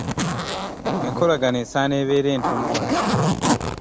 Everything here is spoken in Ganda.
Enkolagana esaana ebeere ntono wano.